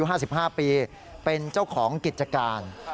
๕๕ปีเป็นเจ้าของกิจการ